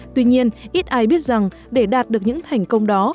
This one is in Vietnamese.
tuy nhiên ít ai biết rằng để đạt được những thành công đó